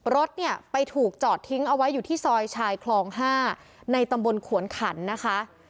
รถเนี่ยไปถูกจอดทิ้งเอาไว้อยู่ที่ซอยชายคลอง๕ในตำบลขวนขันนะคะ